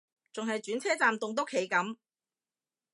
仲喺轉車站棟篤企緊